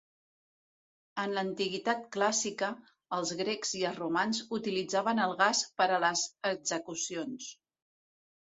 En l'antiguitat clàssica, els grecs i els romans utilitzaven el gas per a les execucions.